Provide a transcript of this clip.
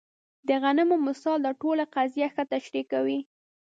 د غنمو مثال دا ټوله قضیه ښه تشریح کوي.